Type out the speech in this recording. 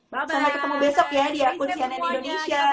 sama ketemu besok ya di at cnn indonesia